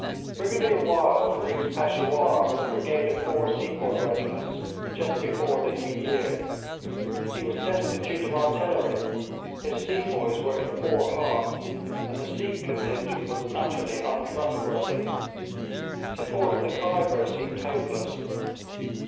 Brigadier Wild reached Peshawur with a brigade of four sepoy regiments just before the new year. He was destitute of artillery, his sepoys were in poor heart, and the Sikh contingent was utterly untrustworthy. To force the Khyber seemed hopeless.